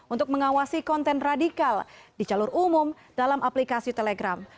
untuk mengawasi konten radikal di jalur umum dalam aplikasi telegram